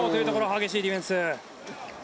激しいディフェンス。